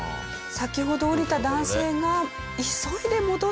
先ほど降りた男性が急いで戻ってきて救出。